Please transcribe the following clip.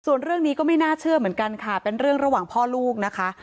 ส่วนเรื่องนี้ก็ไม่น่าเชื่อเหมือนกันค่ะเป็นเรื่องระหว่างพ่อลูกนะคะ